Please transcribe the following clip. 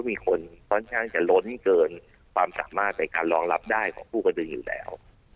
มีคนค่อนข้างจะล้นเกินความสามารถในการรองรับได้ของผู้กระดืออยู่แล้ว